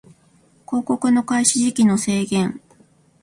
広告の開始時期の制限